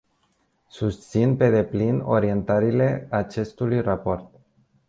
Susțin pe deplin orientările acestui raport.